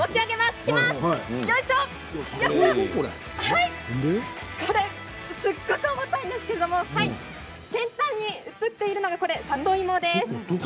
すごく重たいんですけど先端に映っているのが里芋です。